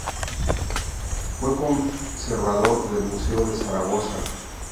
Fue conservador del Museo de Zaragoza.